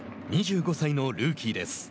２５歳のルーキーです。